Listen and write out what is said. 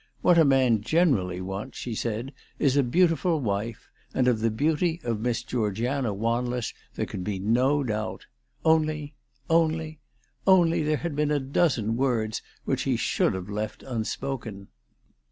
What a man generally wants, she said, is a beautiful wife ; and of the beauty of Miss Georgiana Wanless there could be no doubt. Only, only only, there had been a dozen words which he should have left unspoken